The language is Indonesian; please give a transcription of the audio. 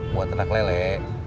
buat anak lele